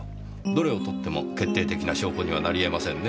どれをとっても決定的な証拠にはなりえませんねぇ。